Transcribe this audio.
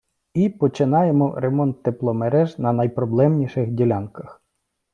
І починаємо ремонт тепломереж на найпроблемніших ділянках.